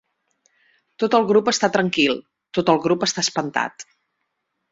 Tot el grup està tranquil, tot el grup està espantat.